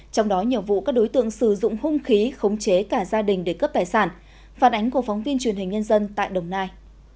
trong đó nhiều vụ các đối tượng sử dụng hung khí khống chế cả gia đình để cướp tài sản phản ánh của phóng viên truyền hình nhân dân tại đồng nai